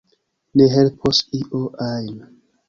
Ne helpos io ajn.